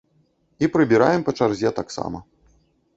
І прыбіраем па чарзе таксама.